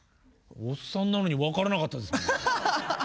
おっさんなのに分からなかったですもん。